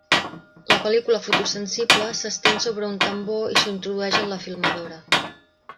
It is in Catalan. La pel·lícula fotosensible s'estén sobre un tambor i s'introdueix en la filmadora.